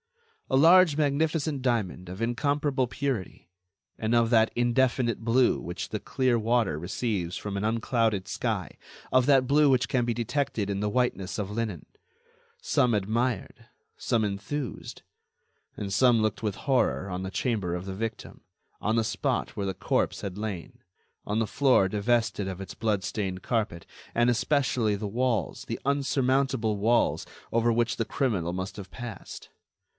A large magnificent diamond of incomparable purity, and of that indefinite blue which the clear water receives from an unclouded sky, of that blue which can be detected in the whiteness of linen. Some admired, some enthused ... and some looked with horror on the chamber of the victim, on the spot where the corpse had lain, on the floor divested of its blood stained carpet, and especially the walls, the unsurmountable walls over which the criminal must have passed.